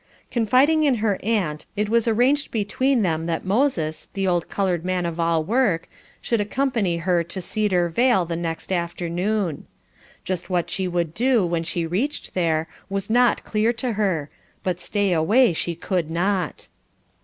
Confiding in her aunt, it was arranged between them that Moses, the old coloured man of all work, should accompany her to Cedar Vale the next afternoon. Just what she would do when she reached there was not clear to her, but stay away she could not.